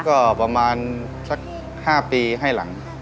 ก็ประมาณสัก๕ปีให้หลัง